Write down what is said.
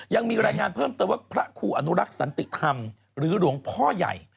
ยังมีรายงานเพิ่มเติมว่าพระครูอนุรักษ์สันติธรรมหรือหลวงพ่อใหญ่